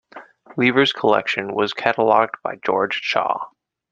Lever's collection was catalogued by George Shaw.